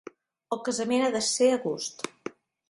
El casament ha de ser a gust.